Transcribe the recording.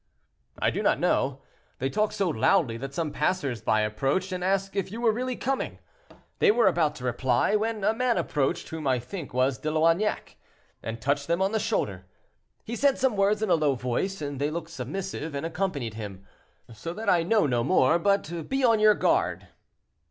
"I do not know; they talked so loudly that some passers by approached, and asked if you were really coming. They were about to reply, when a man approached, whom I think was De Loignac, and touched them on the shoulder. He said some words in a low voice, and they looked submissive, and accompanied him, so that I know no more; but be on your guard."